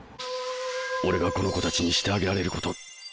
俺がこの子たちにしてあげられること。